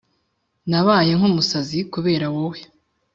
Nabaye nk’umusazi kubera wowe